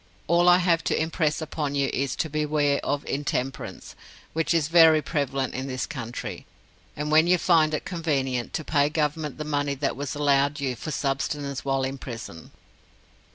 All I have to impress upon you is, to beware of intemperance, which is very prevalent in this country, and when you find it convenient, to pay Government the money that was allowed you for subsistence while in prison.'